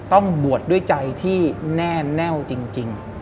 ต้องบวชด้วยใจที่แน่แน่วจริง